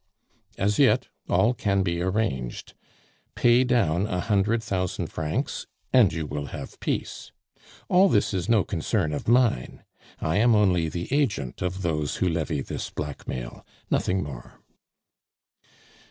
"As yet all can be arranged. Pay down a hundred thousand francs, and you will have peace. All this is no concern of mine. I am only the agent of those who levy this blackmail; nothing more."